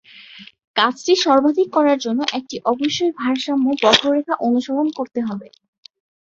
কাজ সর্বাধিক করার জন্য, একটি অবশ্যই ভারসাম্য বক্ররেখা অনুসরণ করতে হবে।